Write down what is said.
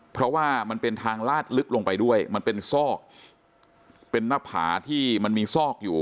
เพราะว่ามันเป็นทางลาดลึกลงไปด้วยมันเป็นซอกเป็นหน้าผาที่มันมีซอกอยู่